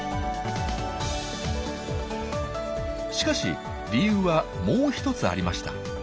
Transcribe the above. しかし理由はもう一つありました。